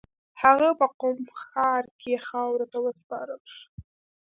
هغه په قم ښار کې خاورو ته وسپارل شو.